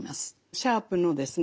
シャープのですね